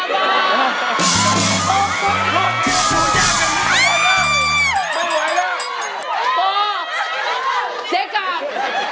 พ่อเจกกัง